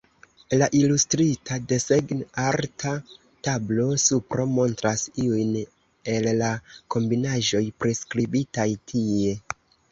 La ilustrita desegn-arta tablo-supro montras iujn el la kombinaĵoj priskribitaj tie.